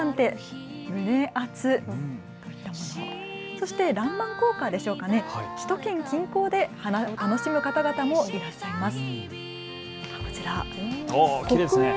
そしてらんまん効果でしょうか、首都圏近郊で花、楽しむ方々もいらっしゃいます。